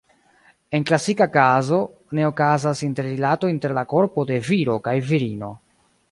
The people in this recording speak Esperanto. En klasika kazo ne okazas interrilato inter la korpo de viro kaj virino.